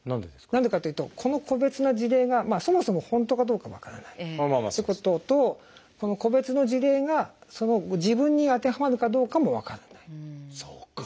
何でかっていうとこの個別の事例がそもそも本当かどうか分からないってこととこの個別の事例が自分に当てはまるかどうかも分からないですね。